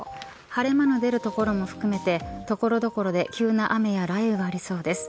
晴れ間の出る所も含めて所々で急な雨や雷雨がありそうです。